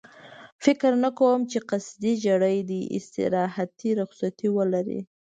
فکر نه کوم چې قصدي ژېړی دې استراحتي رخصتي ولري.